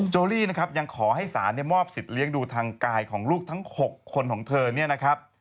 โอรี่นะครับยังขอให้ศาลมอบสิทธิ์เลี้ยงดูทางกายของลูกทั้ง๖คนของเธอเนี่ยนะครับ